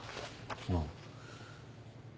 ああ。